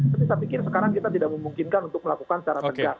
tapi saya pikir sekarang kita tidak memungkinkan untuk melakukan secara tegas